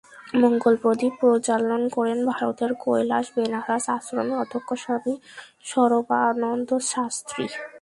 মঙ্গলপ্রদীপ প্রজ্বালন করেন ভারতের কৈলাস বেনারস আশ্রমের অধ্যক্ষ স্বামী স্বরূপানন্দ শাস্ত্রী।